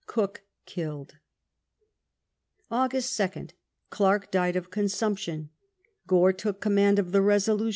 Cook killed. Awj. 2iul. Clerke died of consumption. Gore took command of the Besolutim.